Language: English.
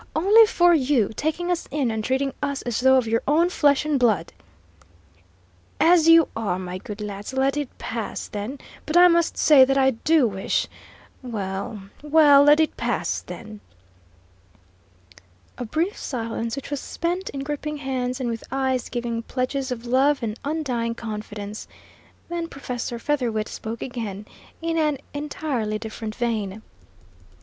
Only for you, taking us in and treating us as though of your own flesh and blood " "As you are, my good lads! Let it pass, then, but I must say that I do wish well, well, let it pass, then!" A brief silence, which was spent in gripping hands and with eyes giving pledges of love and undying confidence; then Professor Featherwit spoke again, in an entirely different vein.